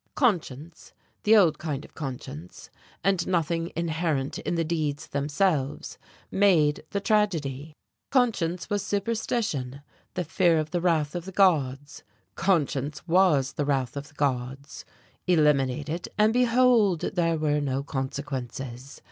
Conscience the old kind of conscience, and nothing inherent in the deeds themselves, made the tragedy; conscience was superstition, the fear of the wrath of the gods: conscience was the wrath of the gods. Eliminate it, and behold! there were no consequences.